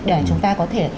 để chúng ta có thể